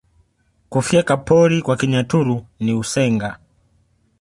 Kufyeka pori kwa Kinyaturu ni Usenga